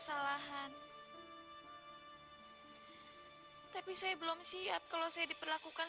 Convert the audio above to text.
sampai jumpa di video selanjutnya